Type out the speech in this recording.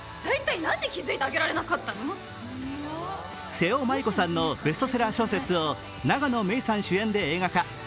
瀬尾まいこさんのベストセラー小説を永野芽郁さん主演で映画化。